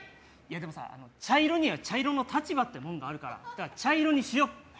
でもさ、茶色には茶色の立場ってもんがあるから茶色にしよう。